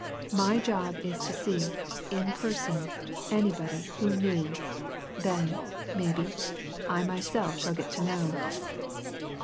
my job is to see, in person, anybody who knew. Then, maybe, I myself shall get to know."